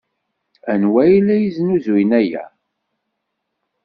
Anwa ay la yesnuzuyen aya?